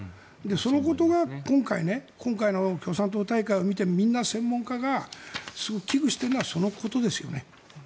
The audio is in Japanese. そのことが今回の共産党大会を見てみんな、専門家がすごく危惧しているのはそのことですよね。